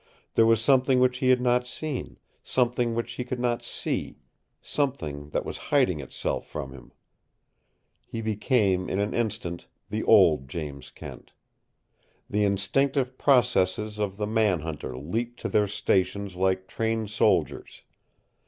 There was something which he had not seen, something which he could not see, something that was hiding itself from him. He became, in an instant, the old James Kent. The instinctive processes of the man hunter leaped to their stations like trained soldiers.